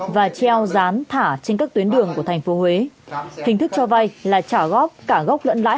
và treo rán thả trên các tuyến đường của thành phố huế hình thức cho vay là trả góp cả gốc lẫn lãi